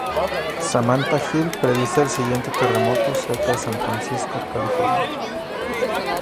Samantha Hill predice el siguiente terremoto cerca de San Francisco, California.